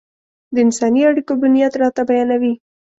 د انساني اړيکو بنياد راته بيانوي.